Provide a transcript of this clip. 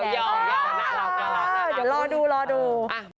เดี๋ยวรอดู